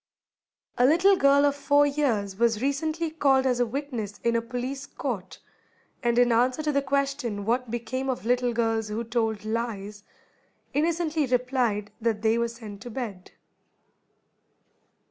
A little girl of four years was recently called as a witness in a police court, and in answer to the question what became of little girls who told lies, innocently replied that they were sent to bed.